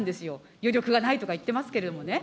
余力がないとか言ってますけどね。